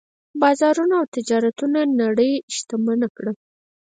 بازارونو او تجارتونو نړۍ شتمنه کړه.